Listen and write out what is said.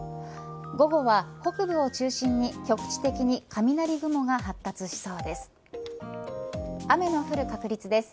午後は北部を中心に局地的に雷雲が発達しそうです